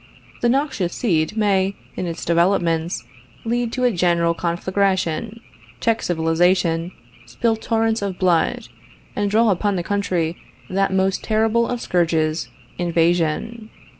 The noxious seed may, in its developments, lead to a general conflagration, check civilization, spill torrents of blood, and draw upon the country that most terrible of scourges, invasion.